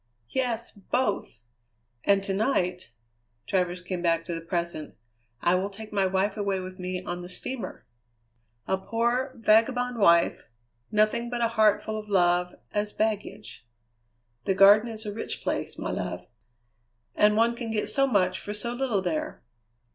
"Yes, both! And to night," Travers came back to the present, "I will take my wife away with me on the steamer." "A poor, vagabond wife. Nothing but a heart full of love as baggage." "The Garden is a rich place, my love." "And one can get so much for so little there."